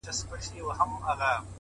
وخت له هیچا سره نه دریږي؛